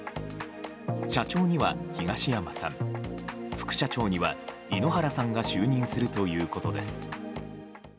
社長には東山社長副社長には井ノ原さんが就任するということです。